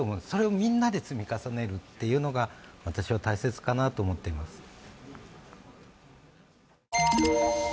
それをみんなで積み重ねるというのが私は大切かなと思ってます。